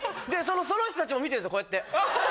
その人達も見てるんすよこうやって。